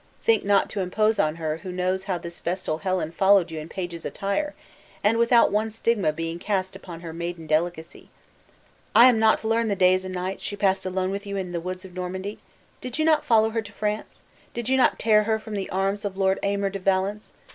Think not to impose on her who knows how this vestal Helen followed you in page's attire, and without one stigma being cast upon her maiden delicacy. I am not to learn the days and nights she passed alone with you in the woods of Normandy? Did you not follow her to France? Did you not tear her from the arms of Lord Aymer de Valence?